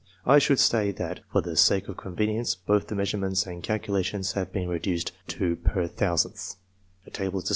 I should say that, for the sake of convenience, both the measurements and calculations have been reduced to per thousandths : Measures of the chest in inches.